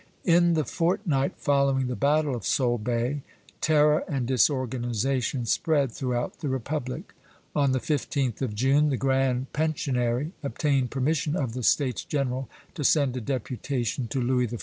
In the fortnight following the battle of Solebay, terror and disorganization spread throughout the republic. On the 15th of June the Grand Pensionary obtained permission of the States General to send a deputation to Louis XIV.